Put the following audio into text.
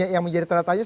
yang menjadi ternyata